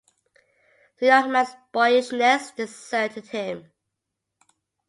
The young man's boyishness deserted him.